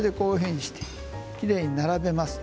きれいに並べます。